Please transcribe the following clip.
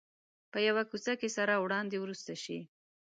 په یوه کوڅه کې سره وړاندې ورسته شي.